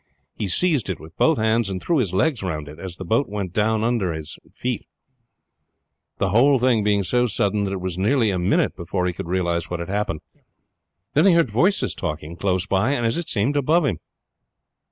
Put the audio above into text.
He seized it with both hands, and threw his legs round it as the boat went down from under his feet, the whole thing being so sudden that it was nearly a minute before he could realize what had happened. Then he heard voices talking close by and, as it seemed, above him.